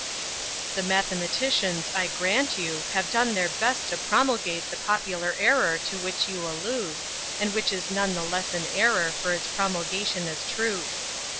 The mathematicians, I grant you, have done their best to promulgate the popular error to which you allude, and which is none the less an error for its promulgation as truth.